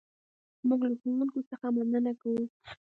موږ له ښوونکي څخه مننه کوو.